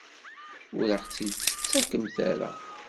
Ur aɣ-tt-id-tettakemt ara?